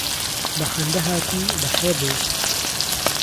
بە خەندە هاتی بەخێر بێی